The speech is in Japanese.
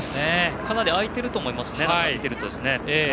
かなり開いていると思いますね。